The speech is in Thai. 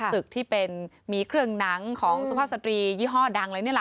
ตึกที่มีเครื่องหนังของสภาพสตรียี่ห้อดัง